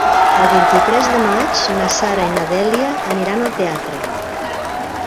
El vint-i-tres de maig na Sara i na Dèlia aniran al teatre.